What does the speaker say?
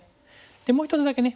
でもう１つだけね